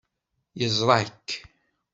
Yeẓra-k.